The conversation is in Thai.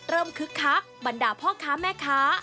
คึกคักบรรดาพ่อค้าแม่ค้า